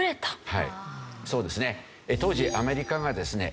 はいそうですね。当時アメリカがですね